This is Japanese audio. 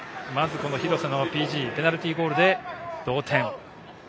まず廣瀬のペナルティーゴールで同点。